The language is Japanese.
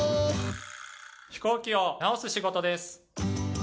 飛行機を直す仕事です。